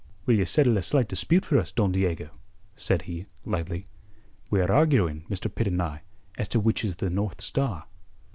"Will ye settle a slight dispute for us, Don Diego?" said he lightly. "We are arguing, Mr. Pitt and I, as to which is the North Star."